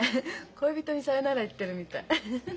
恋人にさよなら言ってるみたいフフフ。